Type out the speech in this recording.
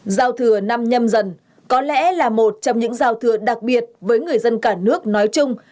giao thừa năm nhâm dần có lẽ là một trong những giao thừa đặc biệt với người dân cả nước nói chung